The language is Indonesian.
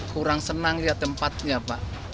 kurang senang lihat tempatnya pak